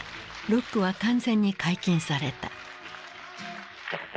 ロックは完全に解禁された。